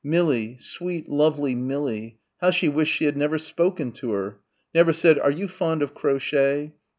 Millie ... sweet lovely Millie.... How she wished she had never spoken to her. Never said, "Are you fond of crochet?"